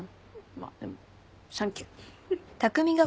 まあでもサンキュー。